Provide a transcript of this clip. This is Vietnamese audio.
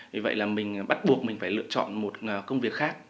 vì vậy là mình bắt buộc mình phải lựa chọn một công việc khác